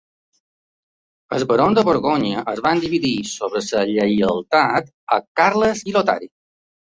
Els barons de Borgonya es van dividir sobre la lleialtat a Carles i Lotari.